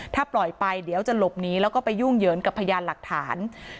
ถ้าปล่อยไปเดี๋ยวจะหลบหนีแล้วก็ไปยุ่งเหยิงกับพยานหลักฐาน